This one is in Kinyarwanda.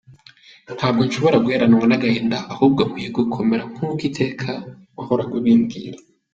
"Ntabwo nshobora guheranwa n'agahinda ahubwo nkwiye gukomera nkuko iteka wahoraga ubimbwira".